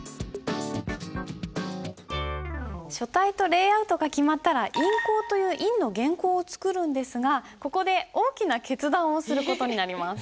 書体とレイアウトが決まったら印稿という印の原稿を作るんですがここで大きな決断をする事になります。